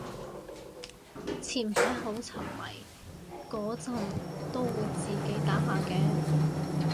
前排好沉迷嗰陣都會自己打下嘅